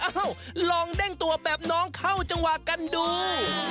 ลองเด้งตัวแบบน้องเข้าจังหวะกันดู